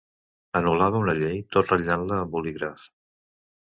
Anul·lava una llei, tot ratllant-la amb bolígraf.